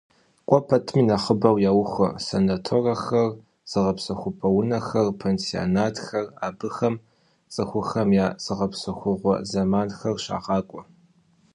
КӀуэ пэтми нэхъыбэу яухуэ санаторэхэр, зыгъэпсэхупӀэ унэхэр, пансионатхэр, абыхэм цӀыхухэм я зыгъэпсэхугъуэ зэманхэр щагъакӀуэ.